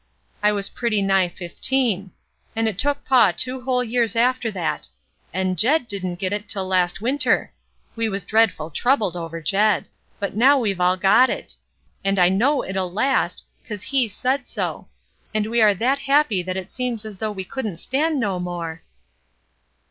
I was pretty nigh fifteen ; and it took paw two whole years after that ; and Jed didn't git it till last winter. We was dreadful troubled over Jed ! but now we've all got it! and I know it'll last, because He said so. And we are that happy that it seems as though we couldn't stan' no more."